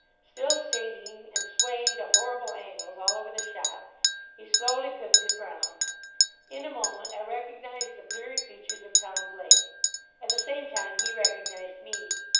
Still singing, and swaying to horrible angles all over the shop, he slowly pivoted round. In a moment I recognised the bleary features of Tom Blake. At the same time he recognised me.